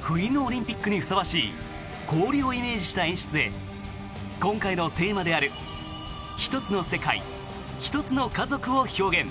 冬のオリンピックにふさわしい氷をイメージした演出で今回のテーマである「１つの世界、１つの家族」を表現。